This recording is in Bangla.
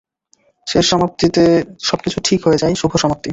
শেষ সমাপ্তি তে, সব কিছু ঠিক হয়ে জায়, শুভ সমাপ্তী।